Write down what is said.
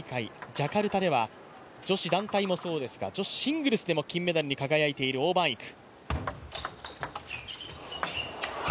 ジャカルタでは女子団体もそうですが、女子シングルスでも金メダルに輝いている王曼イク。